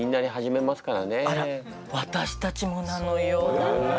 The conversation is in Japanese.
あら私たちもなのよ。